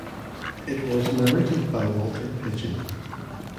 It was narrated by Walter Pidgeon.